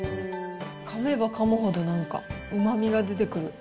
かめばかむほど、なんか、うまみが出てくる。